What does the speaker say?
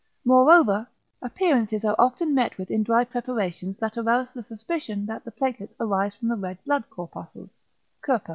Moreover, appearances are often met with in dry preparations that arouse the suspicion that the platelets arise from the red blood corpuscles (Koeppe).